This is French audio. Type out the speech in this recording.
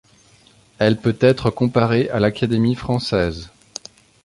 Elle peut être comparée à l'Académie française.